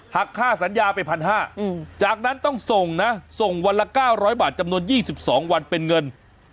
หักค่าสัญญาไป๑๕๐๐บาทจากนั้นต้องส่งนะส่งวันละ๙๐๐บาทจำนวน๒๒วันเป็นเงิน